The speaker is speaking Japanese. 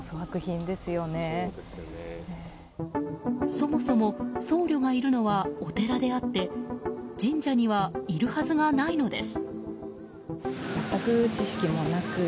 そもそも僧侶がいるのはお寺であって神社にはいるはずがないのです。